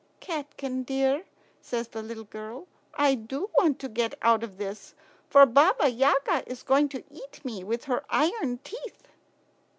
"Catkin dear," says the little girl, "I do want to get out of this, for Baba Yaga is going to eat me with her iron teeth."